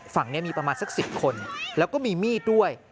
ฝั่งนี้มีประมาณสัก๑๐คนแล้วก็มีมีดด้วย